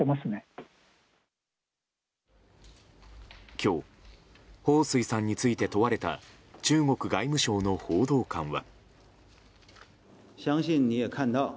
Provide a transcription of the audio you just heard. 今日ホウ・スイさんについて問われた中国外務省の報道官は。